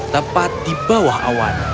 tepat di bawah awan